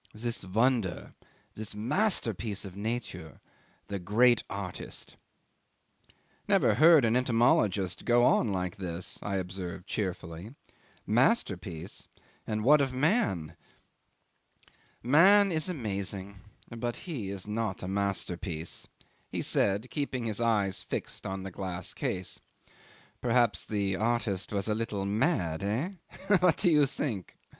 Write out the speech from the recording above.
This wonder; this masterpiece of Nature the great artist." '"Never heard an entomologist go on like this," I observed cheerfully. "Masterpiece! And what of man?" '"Man is amazing, but he is not a masterpiece," he said, keeping his eyes fixed on the glass case. "Perhaps the artist was a little mad. Eh? What do you think?